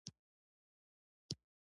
د انګلستان، روسیې او فرانسې دښمن وو.